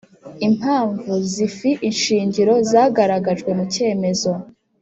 impamvu zifie ishingiro zagaragajwe mu cyemezo